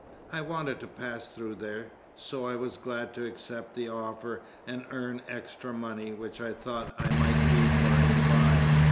I wanted to pass through there, so I was glad to accept the offer and earn extra money which I thought I might need by and by."